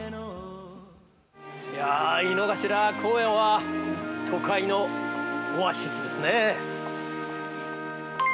井の頭公園は都会のオアシスですね。